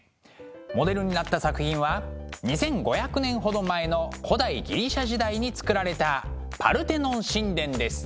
モデルになった作品は２，５００年ほど前の古代ギリシャ時代に造られたパルテノン神殿です。